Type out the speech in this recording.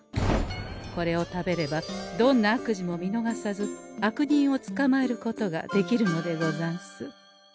これを食べればどんな悪事も見のがさず悪人をつかまえることができるのでござんす。